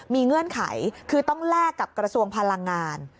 มีเงื่อนไขคือต้องแลกกับกระทรวงพลังงาน